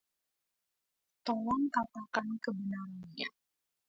Tolong katakan kebenarannya.